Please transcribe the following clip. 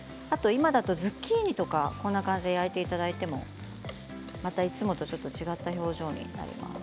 今だとズッキーニとかこんな感じで焼いていただいてもまたいつもとちょっと違った表情になると思います。